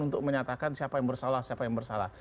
untuk menyatakan siapa yang bersalah siapa yang bersalah